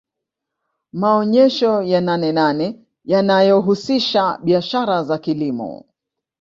maonyesho ya nanenane yanahusisha biashara za kilimo